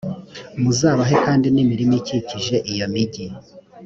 muzabahe kandi n’imirima ikikije iyo migi.